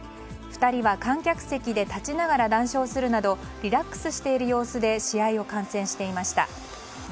２人は観客席で立ちながら談笑するなどリラックスしている様子で試合を観戦していました。